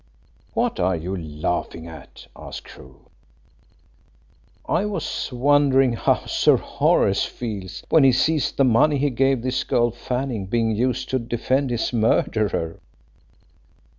"What are you laughing at?" asked Crewe. "I was wondering how Sir Horace feels when he sees the money he gave this girl Fanning being used to defend his murderer."